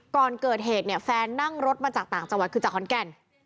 ก่อนเกิดเหตุเนี่ยแฟนนั่งรถมาจากต่างจังหวัดคือจากขอนแก่น